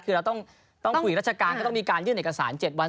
คือเราต้องคุยราชการก็ต้องมีการยื่นเอกสาร๗วัน